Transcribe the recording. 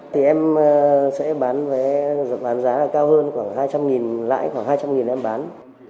thì em sẽ bán vé giá cao hơn khoảng hai trăm linh lãi khoảng hai trăm linh em bán